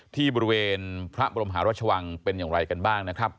ที่บริเวณพระบรมหารัชวังเป็นอย่างไรกันบ้างนะครับ